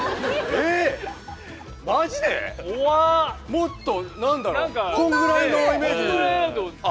もっと何だろうこんぐらいのイメージ。